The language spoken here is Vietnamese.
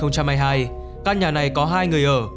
các nhà này có hai người ở